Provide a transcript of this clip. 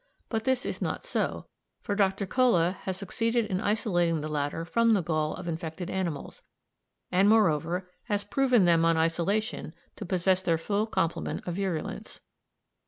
But this is not so, for Dr. Kolle has succeeded in isolating the latter from the gall of infected animals, and, moreover, has proved them on isolation to possess their full complement of virulence.